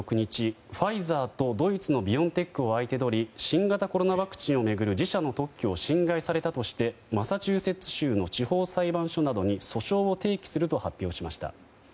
ファイザーとドイツのビオンテックを相手取り新型コロナワクチンを巡る自社の特許を侵害されたとしてマサチューセッツ州の地方裁判所などに訴訟を提起すると発表しました。